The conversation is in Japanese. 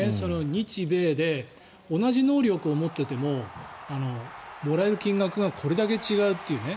日米で同じ能力を持っていてももらえる金額がこれだけ違うというね。